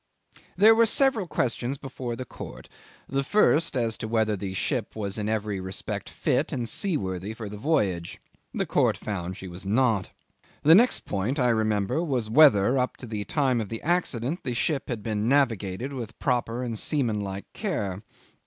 'There were several questions before the court. The first as to whether the ship was in every respect fit and seaworthy for the voyage. The court found she was not. The next point, I remember, was, whether up to the time of the accident the ship had been navigated with proper and seamanlike care.